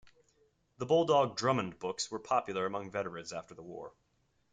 The Bulldog Drummond books were popular among veterans after the war.